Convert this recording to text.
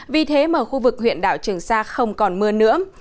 vì thế mà khu vực huyện đảo trường sa không còn mưa nữa